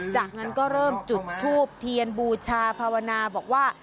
จากนั้นก็เริ่มจุดทูบเทียนบูชาภาวนาบอกว่า